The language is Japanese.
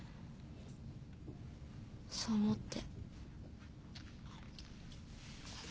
そう思って。